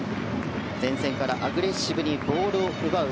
前線からアグレッシブにボールを奪う。